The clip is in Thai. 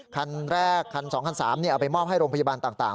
คันแรกคัน๒คัน๓เอาไปมอบให้โรงพยาบาลต่าง